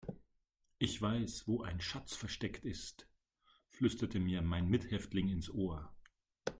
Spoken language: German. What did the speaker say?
Ich weiß, wo ein Schatz versteckt ist, flüsterte mir mein Mithäftling ins Ohr.